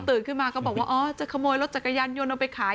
ขึ้นมาก็บอกว่าอ๋อจะขโมยรถจักรยานยนต์เอาไปขาย